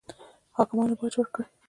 حاکمانو باج ورکړي.